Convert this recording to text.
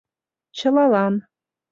Чылалан